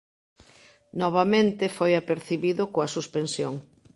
Novamente foi apercibido coa suspensión.